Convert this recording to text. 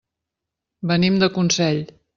Venim de Consell.